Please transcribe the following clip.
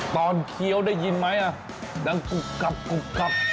ตอนเคี้ยวได้ยินไหมนางกุ๊บกับกุ๊บกับ